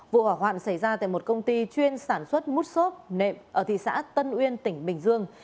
vụ hỏa hoạn xảy ra tại một công ty chuyên sản xuất mút xốp nệm ở thị xã tân uyên tỉnh bình dương